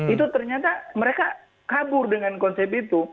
itu ternyata mereka kabur dengan konsep itu